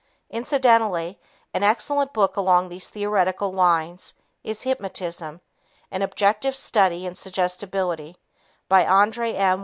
Incidentally, an excellent book along these theoretical lines is Hypnotism An Objective Study in Suggestibility by André M.